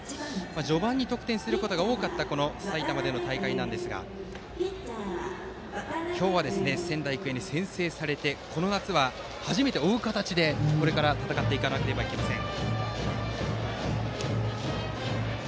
序盤に得点することが多かった埼玉での大会ですが今日は、仙台育英に先制されてこの夏は、初めて追う形でこれから戦わなければいけません。